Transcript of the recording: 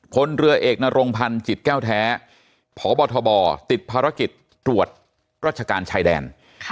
พลเรือเอกนรงพันธ์จิตแก้วแท้พบทบติดภารกิจตรวจราชการชายแดน